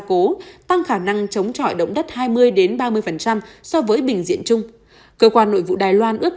cố tăng khả năng chống trọi động đất hai mươi ba mươi so với bình diện chung cơ quan nội vụ đài loan ước